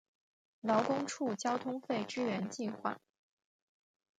劳工处交通费支援计划